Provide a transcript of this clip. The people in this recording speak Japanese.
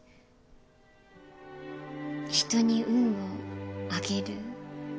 人に運をあげる？